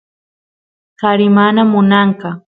kari mana munanqa